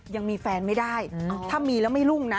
ยังมีแฟนไม่ได้ถ้ามีแล้วไม่รุ่งนะ